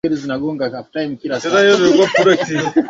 virusi vya ukimwi vinaathiri vijana wengi sana